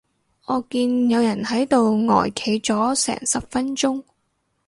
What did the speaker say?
我見有人喺度呆企咗成十分鐘